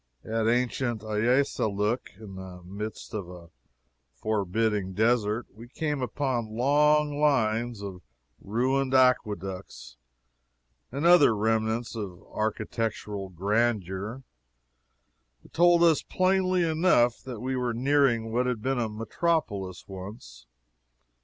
At ancient Ayassalook, in the midst of a forbidding desert, we came upon long lines of ruined aqueducts, and other remnants of architectural grandeur, that told us plainly enough we were nearing what had been a metropolis, once.